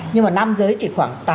nhưng mà nam giới chỉ khoảng